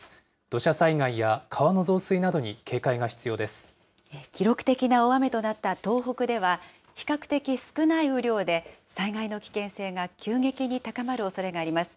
土砂災害や川の増水などに警戒が記録的な大雨となった東北では、比較的少ない雨量で、災害の危険性が急激に高まるおそれがあります。